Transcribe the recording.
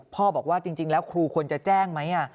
บอกว่าจริงแล้วครูควรจะแจ้งไหม